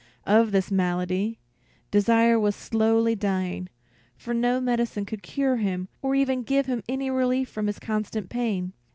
Of this malady, Desire was slowly dying, for no medicine could cure him or even give him any relief from his constant pain.